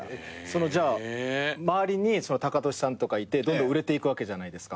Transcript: じゃあ周りにタカトシさんとかいてどんどん売れていくわけじゃないですか。